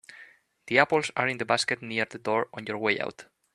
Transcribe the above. The apples are in the basket near the door on your way out.